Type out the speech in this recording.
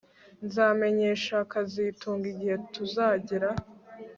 Nzamenyesha kazitunga igihe tuzagera